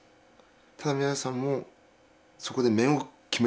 ただ宮崎さんもそこで面を決めてるんですよね。